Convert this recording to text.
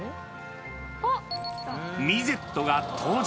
ミゼットが登場。